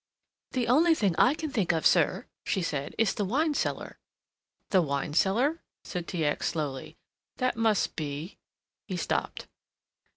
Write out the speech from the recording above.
"The only thing I can think of, sir," she said, "is the wine cellar." "The wine cellar?" said T. X. slowly. "That must be " he stopped.